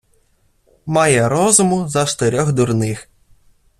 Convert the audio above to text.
Має розуму за штирьох дурних.